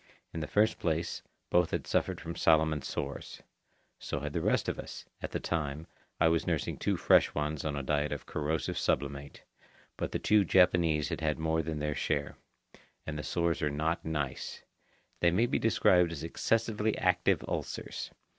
In the first place, both had suffered from Solomon sores. So had the rest of us (at the time, I was nursing two fresh ones on a diet of corrosive sublimate); but the two Japanese had had more than their share. And the sores are not nice. They may be described as excessively active ulcers.